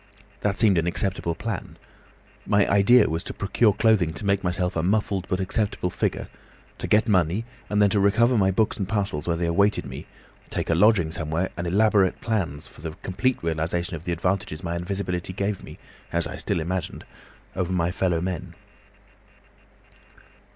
That seemed an acceptable plan. My idea was to procure clothing to make myself a muffled but acceptable figure, to get money, and then to recover my books and parcels where they awaited me, take a lodging somewhere and elaborate plans for the complete realisation of the advantages my invisibility gave me (as I still imagined) over my fellow men.